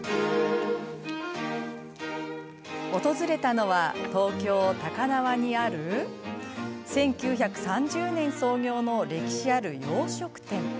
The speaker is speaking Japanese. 訪れたのは東京・高輪にある１９３０年創業の歴史ある洋食店。